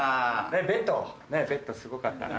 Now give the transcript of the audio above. ベッドすごかったな。